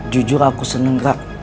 jujur aku seneng ra